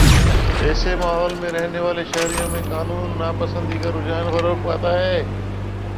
ایسے ماحول میں رہنے والے شہریوں میں قانون ناپسندی کا رجحان فروغ پاتا ہے